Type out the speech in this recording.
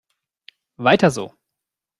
Weiter so!